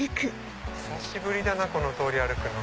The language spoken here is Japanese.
久しぶりだなこの通り歩くの。